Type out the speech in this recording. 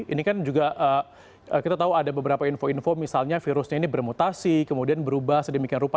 ini kan juga kita tahu ada beberapa info info misalnya virusnya ini bermutasi kemudian berubah sedemikian rupa